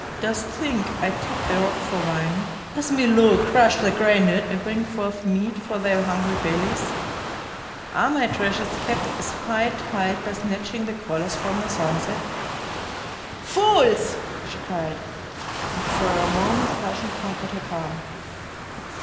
Dost think I tap the rock for wine? Does Milo crush the granite and bring forth meat for thy hungry bellies? Are my treasures kept at high tide by snatching the colors from the sunset? Fools!" she cried, and for a moment passion conquered her calm.